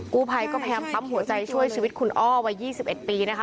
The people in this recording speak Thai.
กู้ภัยก็พยายามปั๊มหัวใจช่วยชีวิตคุณอ้อวัย๒๑ปีนะคะ